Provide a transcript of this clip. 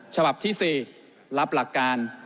ฉบับที่๔รับหลักการ